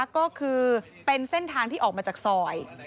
ก็คือเป็นเส้นทางที่ออกมาจากซอย